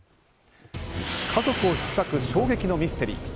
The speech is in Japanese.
家族を引き裂く衝撃のミステリー。